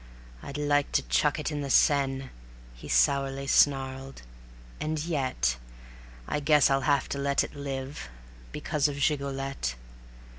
"I'd like to chuck it in the Seine," he sourly snarled, "and yet I guess I'll have to let it live, because of Gigolette."